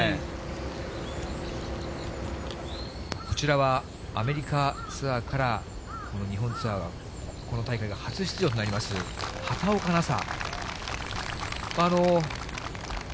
こちらはアメリカツアーから、この日本ツアーは、この大会が初出場となります畑岡奈紗。